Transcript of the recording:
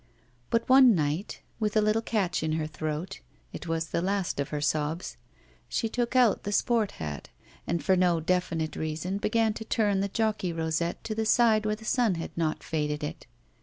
But one night, with a little catch in her throat (it was the last of her sobs), she took out the sport hat, and for no definite reason began to turn the jockey rosette to the side where the sun had not faded it.